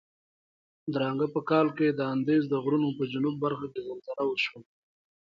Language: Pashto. درانګه په کال کې د اندیز د غرونو په جنوب برخه کې زلزله وشوه.